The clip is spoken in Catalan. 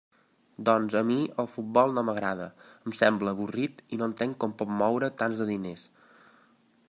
Doncs, a mi, el futbol no m'agrada; em sembla avorrit, i no entenc com pot moure tants de diners.